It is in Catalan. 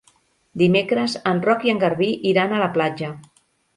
Dimecres en Roc i en Garbí iran a la platja.